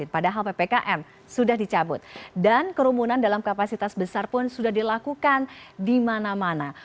padahal ppkm sudah dicabut dan kerumunan dalam kapasitas besar pun sudah dilakukan di mana mana